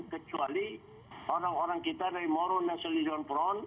kecuali orang orang kita dari moro national zon front